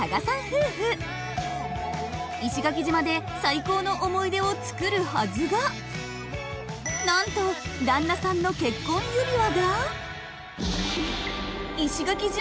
石垣島で最高の思い出を作るはずがなんと旦那さんの結婚指輪が。